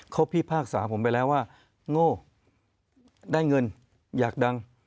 เขาพิพากษาผมไปแล้วว่าโง่ได้เงินอยากดัง